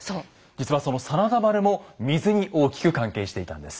実はその真田丸も水に大きく関係していたんです。